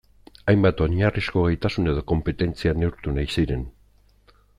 Hainbat oinarrizko gaitasun edo konpetentzia neurtu nahi ziren.